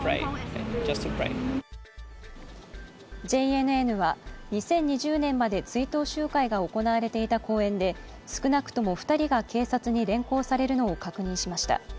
ＪＮＮは２０２０年まで追悼集会が行われていた公園で少なくとも２人が警察に連行されるのを確認しました。